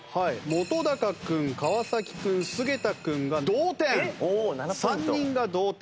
本君川君菅田君が同点３人が同点。